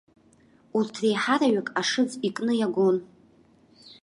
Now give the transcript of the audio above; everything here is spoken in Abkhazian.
Урҭ реиҳараҩык ашыӡ икны иагон.